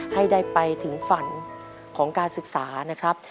ให้ได้ไปถึงฝันของการศึกษานะครับ